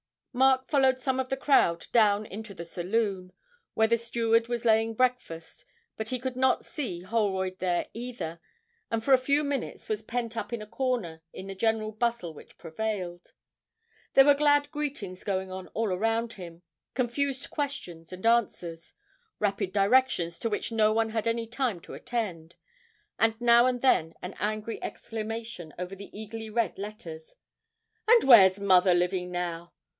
Mark followed some of the crowd down into the saloon, where the steward was laying breakfast, but he could not see Holroyd there either, and for a few minutes was pent up in a corner in the general bustle which prevailed. There were glad greetings going on all around him, confused questions and answers, rapid directions to which no one had time to attend, and now and then an angry exclamation over the eagerly read letters: 'And where's mother living now?'